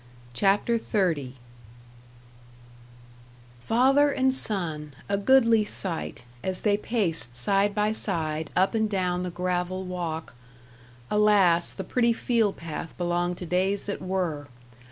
CHAPTER XXX Father and son a goodly sight, as they paced side by side up and down the gravel walk (alas! the pretty field path belonged to days that were!)